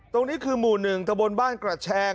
ตรงนี้คือหมู่หนึ่งแต่บนบ้านกระแชง